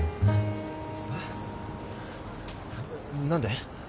何で？